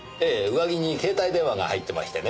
上着に携帯電話が入ってましてね